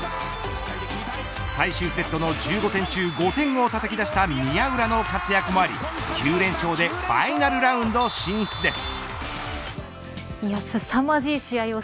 最終セットの１５点中５点をたたき出した宮浦の活躍もあり９連勝でファイナルラウンド進出です。